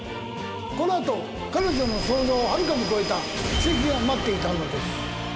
この後彼女の想像をはるかに超えた奇跡が待っていたのです。